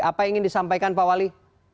apa yang ingin disampaikan pak wali